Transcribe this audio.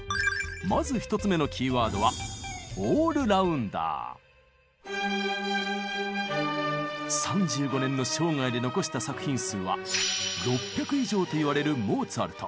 まず１つ目のキーワードは３５年の生涯で残した作品数は６００以上と言われるモーツァルト。